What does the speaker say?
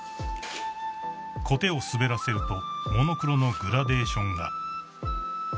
［こてを滑らせるとモノクロのグラデーションが］